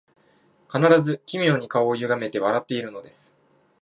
必ず奇妙に顔をゆがめて笑っているのです